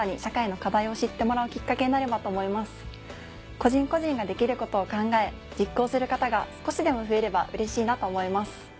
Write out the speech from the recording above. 個人個人ができることを考え実行する方が少しでも増えればうれしいなと思います。